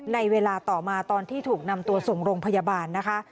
ในเวลาต่อมาตอนที่ถูกนำตัวส่งโรงพยาบาลนะคะ